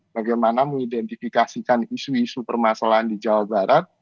bagaimana mengidentifikasikan isu isu permasalahan di jawa barat